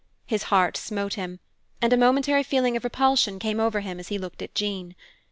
His heart smote him, and a momentary feeling of repulsion came over him, as he looked at Jean.